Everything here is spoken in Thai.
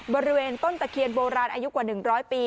บริเวณต้นตะเคียนโบราณอายุกว่า๑๐๐ปี